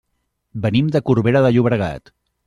Venim de Corbera de Llobregat.